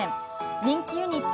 人気ユニット